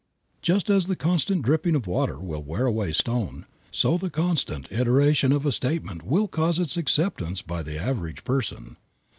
Just as the constant dripping of water will wear away stone, so the constant iteration of a statement will cause its acceptance by the average person.